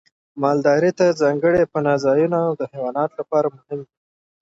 مالدارۍ ته ځانګړي پناه ځایونه د حیواناتو لپاره مهم دي.